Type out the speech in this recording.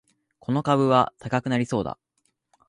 この株は高くなりそうだ